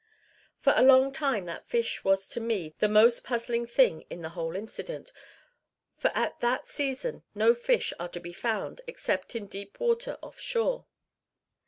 For a long time that fish was to me the most puzzling thing in the whole incident; for at that season no fish are to be found, except in deep water off shore.